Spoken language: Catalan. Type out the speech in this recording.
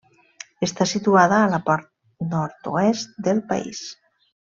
Està situada a la part nord-oest del país.